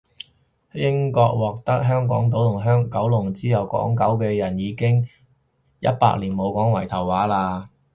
英國獲得香港島同九龍之後，港九嘅人都已經一百年冇講圍頭話喇